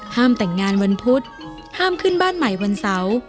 แต่งงานวันพุธห้ามขึ้นบ้านใหม่วันเสาร์